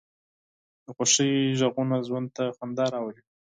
د خوښۍ غږونه ژوند ته خندا راولي